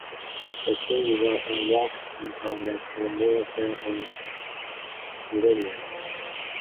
The caves were a work in progress for more than a millennium.